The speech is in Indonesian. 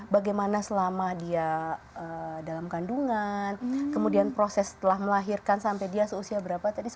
bagaimana selama dia dalam kandungan kemudian proses setelah melahirkan sampai dia seusia berapa tadi